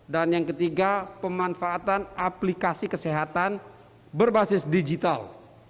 dan yang ketiga pemanfaatan aplikasi kesehatan berbasis digital